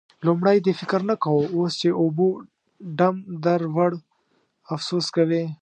لومړی دې فکر نه کاوو؛ اوس چې اوبو ډم در وړ، افسوس کوې.